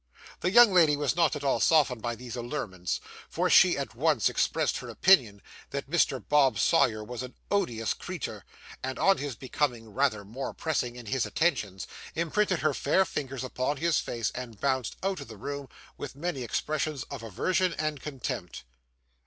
The young lady was not at all softened by these allurements, for she at once expressed her opinion, that Mr. Bob Sawyer was an 'odous creetur;' and, on his becoming rather more pressing in his attentions, imprinted her fair fingers upon his face, and bounced out of the room with many expressions of aversion and contempt.